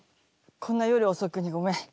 こんな夜遅くにごめん。